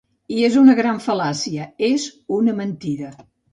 I és una gran fal·làcia, és una mentida.